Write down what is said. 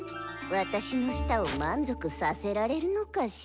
私の舌を満足させられるのかしら？